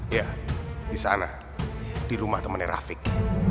iya disana di rumah temennya rafiq